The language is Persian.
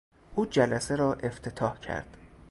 او جلسه را افتتاح کرد.